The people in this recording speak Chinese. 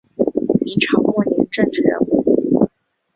明朝末年政治人物。